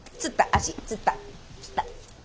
足つったつった。